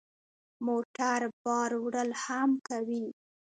موټر بار وړل هم کوي.